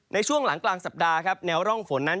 ในช่วงหลังกลางสัปดาห์ครับแนวร่องฝนนั้น